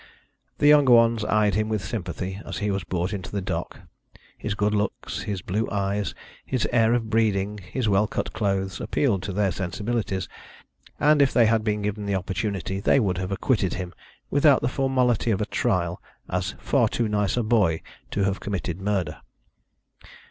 The younger ones eyed him with sympathy as he was brought into the dock: his good looks, his blue eyes, his air of breeding, his well cut clothes, appealed to their sensibilities, and if they had been given the opportunity they would have acquitted him without the formality of a trial as far "too nice a boy" to have committed murder.